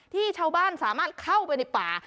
ที่ชาวบ้านสามารถเข้าไปในป่า